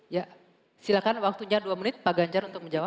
ya silahkan waktunya dua menit pak ganjar untuk menjawab